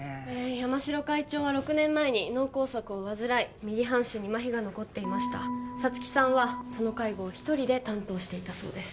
山城会長は６年前に脳梗塞を患い右半身にマヒが残っていました皐月さんはその介護を一人で担当していたそうです